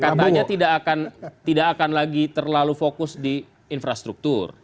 pak jokowi katanya tidak akan tidak akan lagi terlalu fokus di infrastruktur